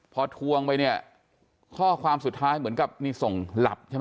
พอทวงไปเนี่ยข้อความสุดท้ายเหมือนกับนี่ส่งหลับใช่ไหม